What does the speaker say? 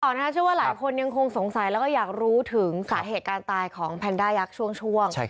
เชื่อว่าหลายคนยังคงสงสัยแล้วก็อยากรู้ถึงสาเหตุการตายของแพนด้ายักษ์ช่วง